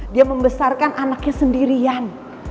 dia membesarkan anaknya sendirian